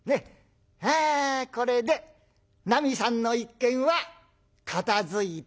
ああこれでなみさんの一件は片づいたね」。